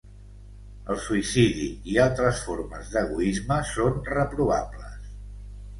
El suïcidi i altres formes d'egoisme són reprovables.